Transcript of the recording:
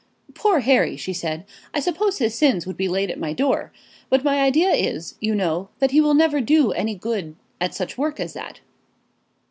"Poor Harry!" she said. "I supposed his sins would be laid at my door. But my idea is, you know, that he never will do any good at such work as that."